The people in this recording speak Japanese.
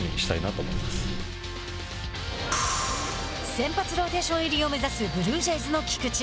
先発ローテーション入りを目指す、ブルージェイズの菊池。